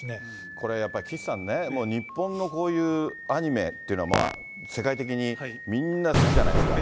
これやっぱり岸さんね、日本のこういうアニメっていうのは、世界的にみんな好きじゃないですか。